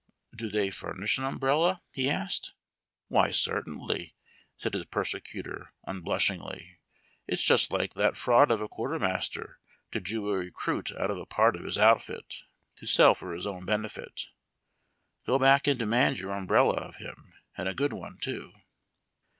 "Do they furnish an umbrella?" he asked. " Why, certainly," said his persecutor, unblushingly. " It's just like that fraud of a quartermaster to jew a recruit out of a part of his outfit, to sell for his own benefit. Go back and demmid your umbrella of him, and a good one too